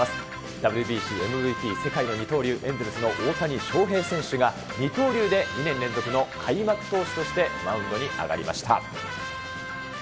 ＷＢＣ、ＭＶＰ、世界の二刀流、エンゼルスの大谷翔平選手が、二刀流で２年連続の開幕投手としてマウンドに上がりました。